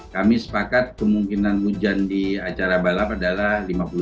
kami sepakat kemungkinan hujan di acara balap adalah lima puluh delapan